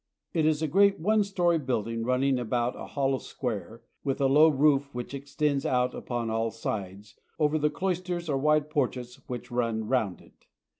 It is a great one story building, running about a hollow square, with a low roof which extends out upon all sides, over the cloisters or wide porches which run round it.